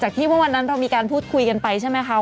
ที่เมื่อวันนั้นเรามีการพูดคุยกันไปใช่ไหมคะ